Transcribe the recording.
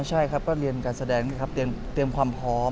ใช่ครับก็เรียนการแสดงนี่ครับเตรียมความพร้อม